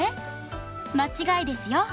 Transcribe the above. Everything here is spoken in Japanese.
間違いですよ。